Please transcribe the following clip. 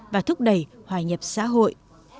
và thúc đẩy hoài nhập xã hội